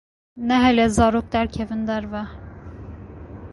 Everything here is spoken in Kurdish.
Nehêle zarok derkevin derve.